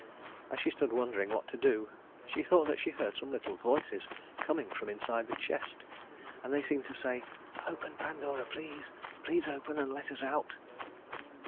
As she stood wondering what to do, she thought that she heard some little voices coming from inside the chest, and they seemed to say: "Open, Pandora, please, please open and let us out."